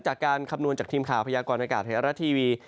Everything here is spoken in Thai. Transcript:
จากการคำนวณจากทีมข่าวพยากรณากาศธรรยศทีวี